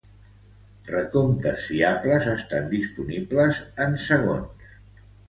Recomptes fiables estan disponibles en segons.